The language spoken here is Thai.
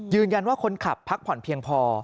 ยืนยันว่าคนขับพักผ่อนเพียงพอ